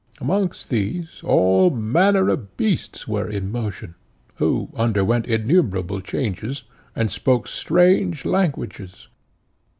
Amongst these all manner of beasts were in motion, who underwent innumerable changes, and spoke strange languages.